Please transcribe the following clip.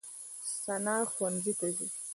ثنا ښوونځي ته ځي.